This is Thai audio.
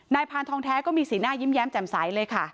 พานทองแท้ก็มีสีหน้ายิ้มแย้มแจ่มใสเลยค่ะ